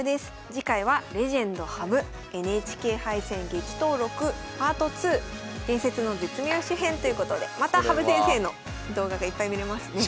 次回は「レジェンド羽生ＮＨＫ杯戦激闘録パート２伝説の絶妙手編」ということでまた羽生先生の動画がいっぱい見れますね。